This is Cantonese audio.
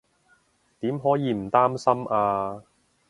點可以唔擔心啊